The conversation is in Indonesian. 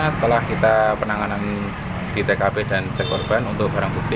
setelah kita penanganan di tkp dan cek korban untuk barang bukti